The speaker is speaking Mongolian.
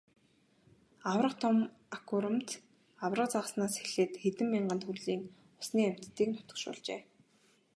Аварга том аквариумд аварга загаснаас эхлээд хэдэн мянган төрлийн усны амьтдыг нутагшуулжээ.